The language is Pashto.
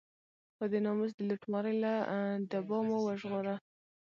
خو د ناموس د لوټمارۍ له دبا مو وژغوره.